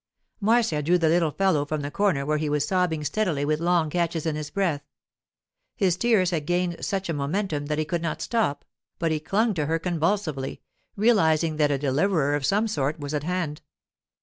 Marcia drew the little fellow from the corner where he was sobbing steadily with long catches in his breath. His tears had gained such a momentum that he could not stop, but he clung to her convulsively, realizing that a deliverer of some sort was at hand.